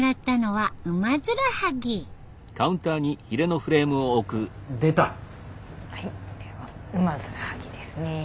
はいウマヅラハギですね。